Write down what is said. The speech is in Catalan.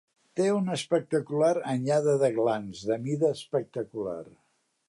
Té una espectacular anyada de glans, de mida espectacular.